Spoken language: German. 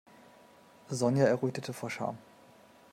Sonja errötete vor Scham.